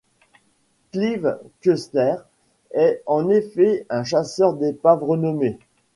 Clive Cussler est en effet un chasseur d'épaves renommé.